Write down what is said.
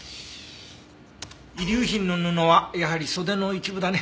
遺留品の布はやはり袖の一部だね。